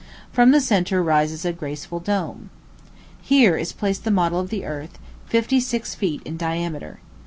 From the centre rises a graceful dome. Here is placed the model of the earth, fifty six feet in diameter.